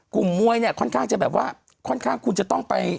กลุ่มมวยเนี่ยค่อนข้างจะแบบว่าค่อนข้างคุณจะต้องไป